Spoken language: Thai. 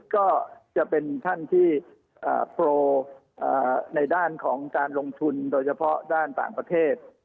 ก็จะเป็นท่านที่โปรในด้านของการลงทุนโดยเฉพาะด้านต่างประเทศ